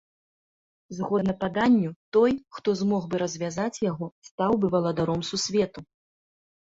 Згодна паданню, той, хто змог бы развязаць яго, стаў бы валадаром сусвету.